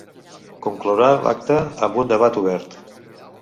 Conclourà l’acte amb un debat obert.